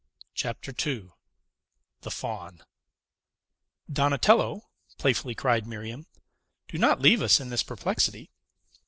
CHAPTER II THE FAUN "Donatello," playfully cried Miriam, "do not leave us in this perplexity!